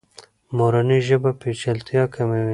مورنۍ ژبه پیچلتیا کموي.